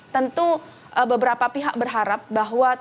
tentu beberapa pihak berharap bahwa